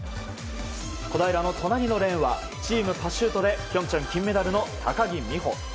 小平の隣のレーンはチームパシュートで平昌金メダルの高木美帆。